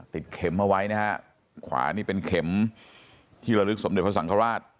ติดเข็มเอาไว้นะฮะขวานี่เป็นเข็มที่ระลึกสมเด็จพระสังฆราช